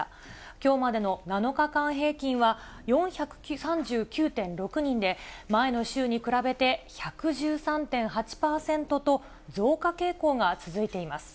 きょうまでの７日間平均は、４３９．６人で、前の週に比べて１１３．８％と、増加傾向が続いています。